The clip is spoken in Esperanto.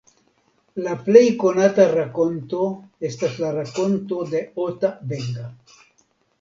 La plej konata rakonto estas la rakonto de Ota Benga.